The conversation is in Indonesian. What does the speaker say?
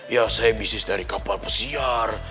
ya saya bisnis dari kapal pesiar